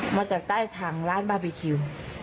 มาจากใต้ถังร้านบาร์บีคิว